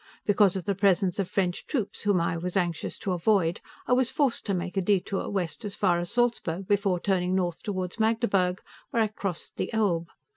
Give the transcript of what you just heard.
Because of the presence of French troops, whom I was anxious to avoid, I was forced to make a detour west as far as Salzburg before turning north toward Magdeburg, where I crossed the Elbe.